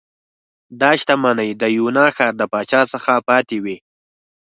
دا شتمنۍ د یونا ښار د پاچا څخه پاتې وې